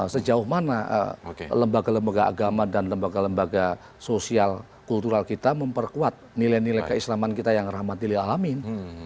sejauh mana lembaga lembaga agama dan lembaga lembaga sosial kultural kita memperkuat nilai nilai keislaman kita yang rahmatilil alamin